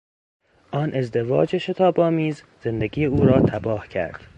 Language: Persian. آن ازدواج شتاب آمیز زندگی او را تباه کرد.